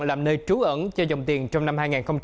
làm nơi trú ẩn cho dòng tiền trong năm hai nghìn hai mươi